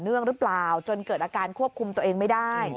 ื่องหรือเปล่าจนเกิดอาการควบคุมตัวเองไม่ได้